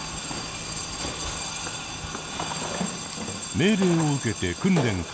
命令を受けて訓練開始。